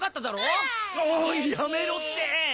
おいやめろって！